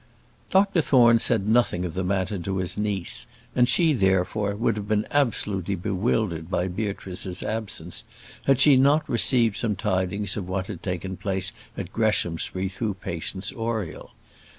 Dr Thorne said nothing of the matter to his niece, and she, therefore, would have been absolutely bewildered by Beatrice's absence, had she not received some tidings of what had taken place at Greshamsbury through Patience Oriel.